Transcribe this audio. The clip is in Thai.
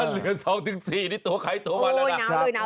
เหลือ๒๔นี่โตไขโตมาแล้วนะ